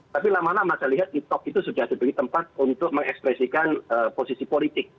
tapi lama lama saya lihat tiktok itu sudah sebagai tempat untuk mengekspresikan posisi politik